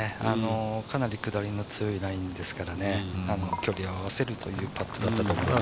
かなり下りの強いラインですから距離を合わせるというパットだったと思います。